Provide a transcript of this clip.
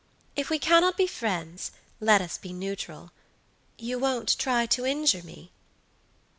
If we cannot be friends, let us be neutral. You won't try to injure me?"